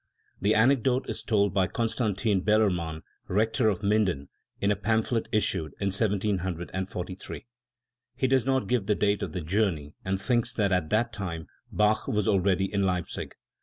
The anecdote is told by Constantin Beller mann, Rector of Minden, in a pamphlet issued in 1743 He does not give the date of the journey, and thinks that at that time Bach was already in Leipzig.